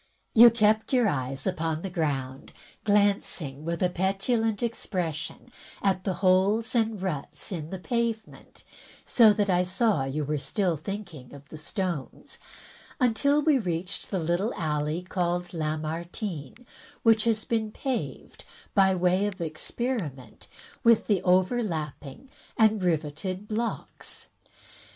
"You kept your eyes upon the ground — glancing, with a petulant expression, at the holes and ruts in the pavement (so that I saw you were still thinking of the stones), until we reached the little alley called Lamartine, which has been paved, by way of experiment with the overlapping and riveted blocks.